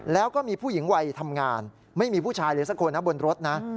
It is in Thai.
แล้วก็มีผู้หญิงวัยทำงานไม่มีผู้ชายเลยสักคนนะบนรถนะ